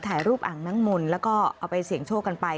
ถ่ายรูปอ่างน้ำมนต์แล้วก็เอาไปเสี่ยงโชคกันไป